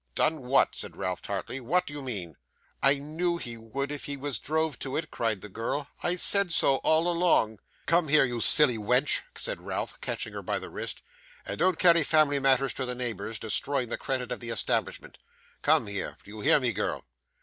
'Done what?' said Ralph, tartly; 'what d'ye mean?' 'I knew he would if he was drove to it,' cried the girl. 'I said so all along.' 'Come here, you silly wench,' said Ralph, catching her by the wrist; 'and don't carry family matters to the neighbours, destroying the credit of the establishment. Come here; do you hear me, girl?